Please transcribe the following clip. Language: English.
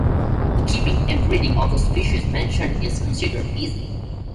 The keeping and breeding of the species mentioned is considered easy.